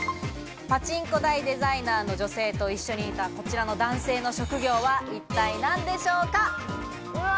パチンコ台デザイナーの女性と一緒にいた、こちらの男性の職業は一体何でしょうか？